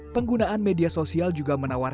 penggunaan media sosial juga menawarkan